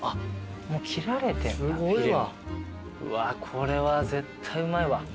うわこれは絶対うまいわ。